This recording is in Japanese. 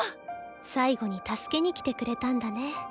最後に助けに来てくれたんだね。